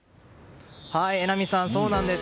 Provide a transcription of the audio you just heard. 榎並さん、そうなんです。